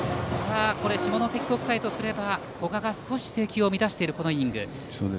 下関国際とすれば古賀が少し制球を乱しているこのイニング。